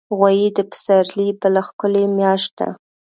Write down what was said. غویی د پسرلي بله ښکلي میاشت ده.